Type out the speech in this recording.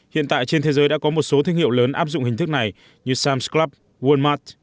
hiện tại trên thế giới đã có một số thương hiệu lớn áp dụng hình thức này như sams club walmart